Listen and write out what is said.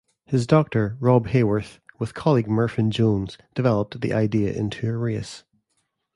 His doctor, Rob Haworth, with colleague Merfyn Jones developed the idea into a race.